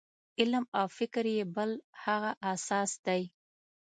علم او فکر یې بل هغه اساس دی.